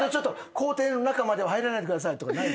校庭の中までは入らないでください」とかない？